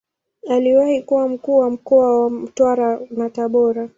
Aliwahi kuwa Mkuu wa mkoa wa Mtwara na Tabora.